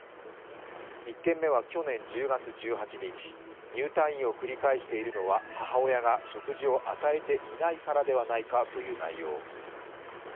１件目は去年１０月１８日、入退院を繰り返しているのは母親が食事を与えていないからではないかという内容。